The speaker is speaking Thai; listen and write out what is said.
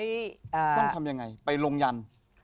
ต้องทำยังไงไปลงยัน